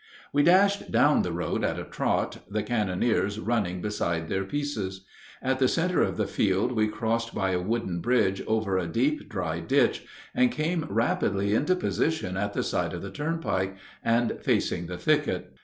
We dashed down the road at a trot, the cannoneers running beside their pieces. At the center of the field we crossed by a wooden bridge over a deep, dry ditch, and came rapidly into position at the side of the turnpike and facing the thicket.